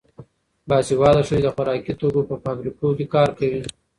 باسواده ښځې د خوراکي توکو په فابریکو کې کار کوي.